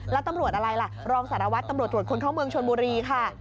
แล้วตำรวจอะไรล่ะรองสารวัตรตำรวจตรวจคนเข้าเมืองชนบุรีค่ะ